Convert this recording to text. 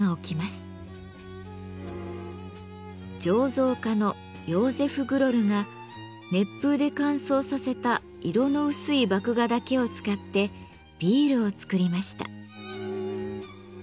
醸造家のヨーゼフ・グロルが熱風で乾燥させた色の薄い麦芽だけを使ってビールをつくりました。